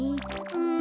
うん。